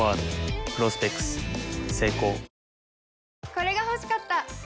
これが欲しかった！